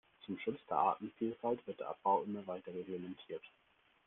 Zum Schutz der Artenvielfalt wird der Abbau immer weiter reglementiert.